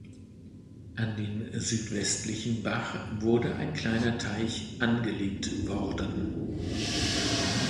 An den südwestlichen Bach wurde ein kleiner Teich angelegt worden.